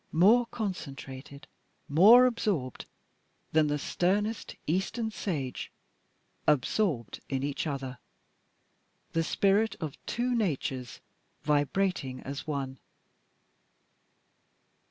More concentrated more absorbed than the sternest Eastern sage absorbed in each other. The spirit of two natures vibrating as One.